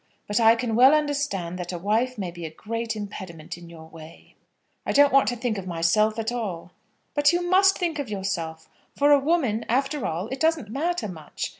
But I can well understand that a wife may be a great impediment in your way." "I don't want to think of myself at all." "But you must think of yourself. For a woman, after all, it doesn't matter much.